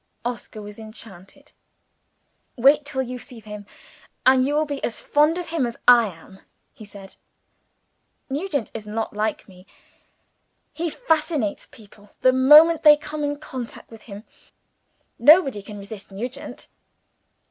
Oscar was enchanted. "Wait till you see him, and you will be as fond of him as I am," he said. "Nugent is not like me. He fascinates people the moment they come in contact with him. Nobody can resist Nugent."